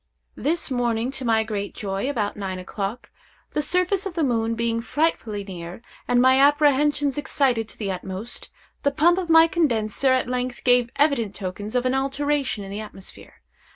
This morning, to my great joy, about nine o'clock, the surface of the moon being frightfully near, and my apprehensions excited to the utmost, the pump of my condenser at length gave evident tokens of an alteration in the atmosphere.